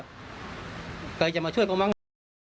ก็เลยต้องรีบไปแจ้งให้ตรวจสอบคือตอนนี้ครอบครัวรู้สึกไม่ไกล